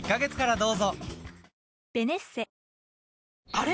あれ？